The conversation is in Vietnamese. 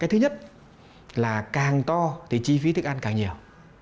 thứ nhất là càng to thì chi phí thức ăn càng nhiều